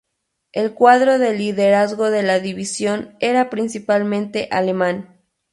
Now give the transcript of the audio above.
El cuadro de liderazgo de la división era principalmente alemán.